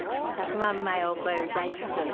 １００万枚を超える大ヒットで。